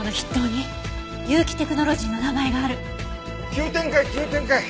急展開急展開。